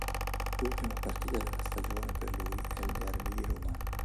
L'ultima partita della stagione, per lui, è il derby di Roma.